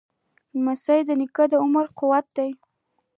لمسی د نیکه د عمر قوت دی.